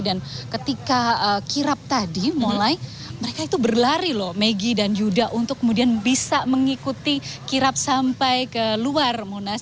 dan ketika kirap tadi mulai mereka itu berlari loh megi dan yuda untuk kemudian bisa mengikuti kirap sampai ke luar monas